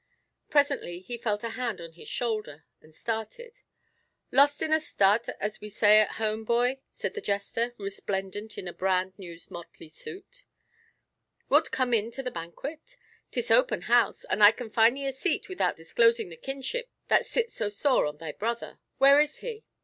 Presently he felt a hand on his shoulder, and started, "Lost in a stud, as we say at home, boy," said the jester, resplendent in a bran new motley suit. "Wilt come in to the banquet? 'Tis open house, and I can find thee a seat without disclosing the kinship that sits so sore on thy brother. Where is he?"